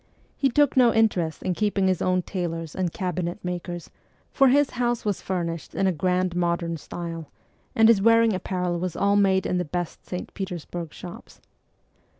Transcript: He took no interest in keeping his own tailors and cabinet makers, for his house was furnished in a grand modern style, and his wearing apparel was all made in the best St. Petersburg shops.